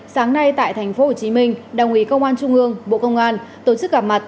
hai nghìn hai mươi sáng nay tại tp hcm đảng ủy công an trung ương bộ công an tổ chức gặp mặt